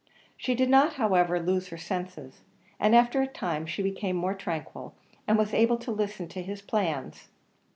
She did not, however, lose her senses, and after a time she became more tranquil, and was able to listen to his plans.